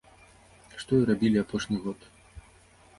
Што і рабілі апошні год.